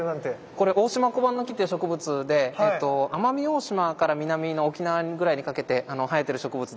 これオオシマコバンノキって植物で奄美大島から南の沖縄ぐらいにかけて生えてる植物です。